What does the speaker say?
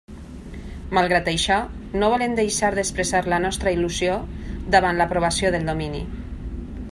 Malgrat això, no volem deixar d'expressar la nostra il·lusió davant l'aprovació del domini.